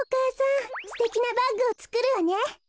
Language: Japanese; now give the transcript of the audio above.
すてきなバッグをつくるわね。